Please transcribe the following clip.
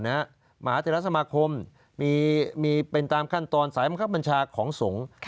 มหาเทรสมาคมมีเป็นตามขั้นตอนสายบังคับบัญชาของสงฆ์